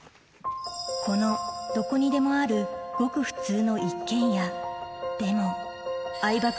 このどこにでもあるごく普通の一軒家。